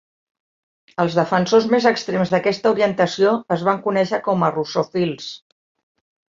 Els defensors més extrems d"aquesta orientació es van conèixer com "Russofils".